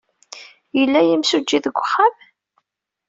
Yella yimsujji deg uxxam?